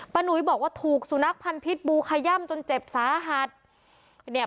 หนุยบอกว่าถูกสุนัขพันธิ์บูขย่ำจนเจ็บสาหัสเนี่ย